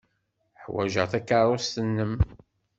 Ḥwajeɣ takeṛṛust-nwen.